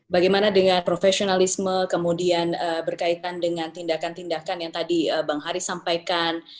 bagaimana dengan profesionalisme kemudian berkaitan dengan tindakan tindakan yang tadi bang haris sampaikan